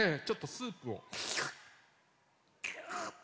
ちょっとスープを。